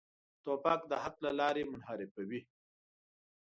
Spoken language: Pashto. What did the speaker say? توپک د حق له لارې منحرفوي.